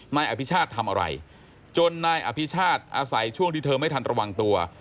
นายอภิชาติทำอะไรจนนายอภิชาติอาศัยช่วงที่เธอไม่ทันระวังตัว